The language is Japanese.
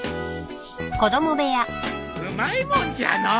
うまいもんじゃのう。